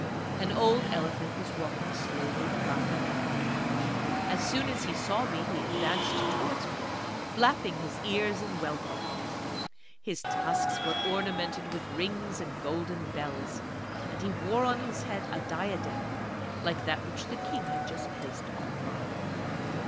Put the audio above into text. An old elephant was walking slowly about the Hall. As soon as he saw me he advanced towards me, flapping his ears in welcome. His tusks were ornamented with rings and golden bells, and he wore on his head a diadem like that which the King had just placed on mine.